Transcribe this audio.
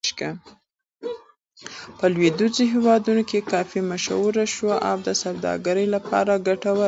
په لویدیځو هېوادونو کې کافي مشهور شو او د سوداګرۍ لپاره ګټوره شوه.